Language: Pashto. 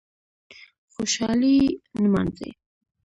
خوشالي نمانځي